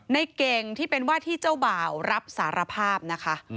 ในเก่งที่เป็นว่าที่เจ้าบ่าวรับสารภาพนะคะ